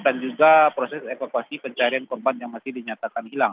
dan juga proses evakuasi pencahayaan korban yang masih dinyatakan hilang